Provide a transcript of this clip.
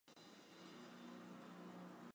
佛言长者随意当作。